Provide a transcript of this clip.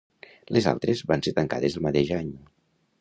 Les altres van ser tancades el mateix any.